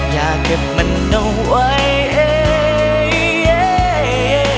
อย่าเก็บมันไว้